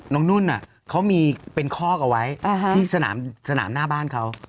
นุ่นเขามีเป็นคอกเอาไว้ที่สนามหน้าบ้านเขา